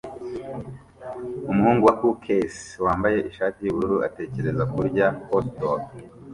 Umuhungu wa Caucase wambaye ishati yubururu atekereza kurya hotdog